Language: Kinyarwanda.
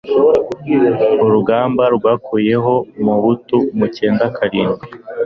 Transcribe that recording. mu rugamba rwakuyeho Mobutu mu icyenda karindwi